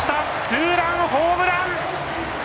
ツーランホームラン！